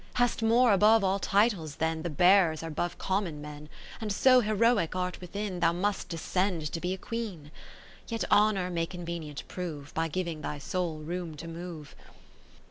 Hast more above all titles then ^ The bearers are 'bove common men ; And so heroic art within, 9 Thou must descend to be a Queen. Yet honour may convenient prove. By giving thy soul room to move